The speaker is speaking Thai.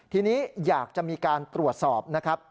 ทีนี้อยากจะมีการตรวจสอบนะครับ